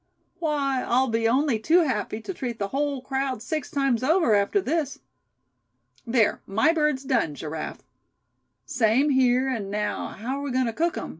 Why, I'll be only too happy to treat the whole crowd six times over, after this. There, my bird's done, Giraffe." "Same here; and now how are we agoin' to cook 'em?"